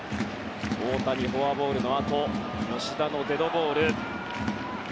大谷フォアボールのあと吉田のデッドボール。